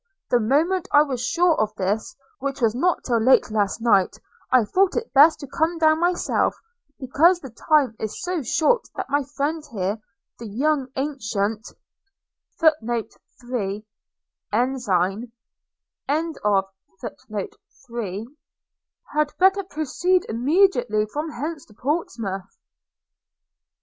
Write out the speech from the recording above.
The moment I was sure of this, which was not till late last night, I thought it best to come down myself; because the time is so short that my friend here, the young ancient 3, had better proceed immediately from hence to Portsmouth.'